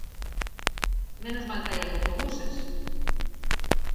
¡Menos mal que hai autobuses!